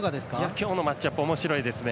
今日のマッチアップおもしろいですね。